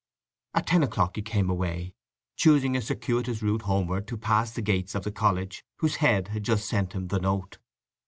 At ten o'clock he came away, choosing a circuitous route homeward to pass the gates of the college whose head had just sent him the note.